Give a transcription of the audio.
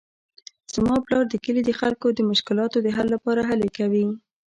زما پلار د کلي د خلکو د مشکلاتو د حل لپاره هلې کوي